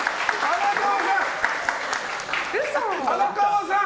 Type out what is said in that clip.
荒川さん！